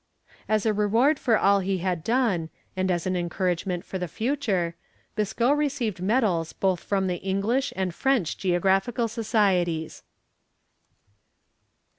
As a reward for all he had done, and as an encouragement for the future, Biscoe received medals both from the English and French Geographical Societies.